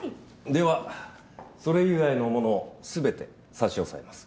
ではそれ以外のものを全て差し押さえます。